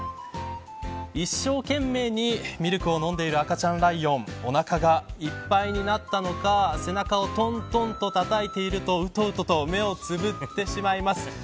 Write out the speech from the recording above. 一生懸命にミルクを飲んでいる赤ちゃんライオンおなかがいっぱいになったのか背中をトントンとたたいているとうとうとと目をつむってしまいます。